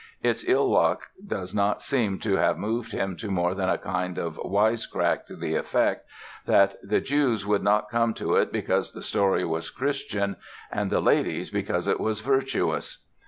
Its ill luck does not seem to have moved him to more than a kind of "wise crack" to the effect that "the Jews would not come to it because the story was Christian and the ladies because it was virtuous."